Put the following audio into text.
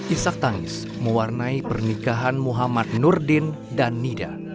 isak tangis mewarnai pernikahan muhammad nurdin dan nida